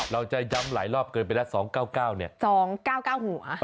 เราจะย้ำหลายรอบเกินไปแล้ว๒๙๙เนี่ย๒๙๙หัว